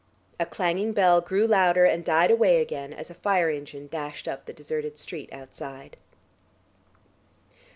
A clanging bell grew louder and died away again as a fire engine dashed up the deserted street outside.